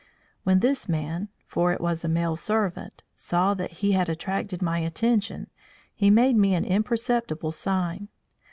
When this man, for it was a male servant, saw that he had attracted my attention, he made me an imperceptible sign.